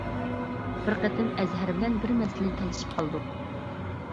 بىر قېتىم ئەزھەر بىلەن بىر مەسىلىنى تالىشىپ قالدۇق.